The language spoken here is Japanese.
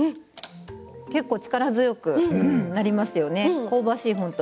結構、力強くなりますよね。